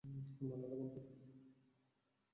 হুম, আলাদা গন্তব্য!